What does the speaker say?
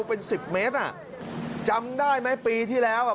เป็นสิบเมตรอ่ะจำได้ไหมปีที่แล้วอ่ะ